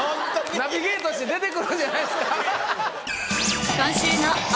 ナビゲートして出て来るんじゃないですか？